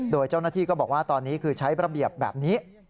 โดยเจ้าหน้าที่ก็บอกว่าตอนนี้คือใช้ระเบียบแบบนี้